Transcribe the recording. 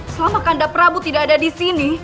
selama kandap prabu tidak ada di sini